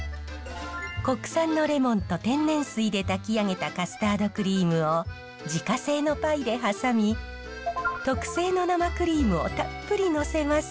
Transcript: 国産のレモンと天然水で炊き上げたカスタードクリームを自家製のパイではさみ特製の生クリームをたっぷりのせます。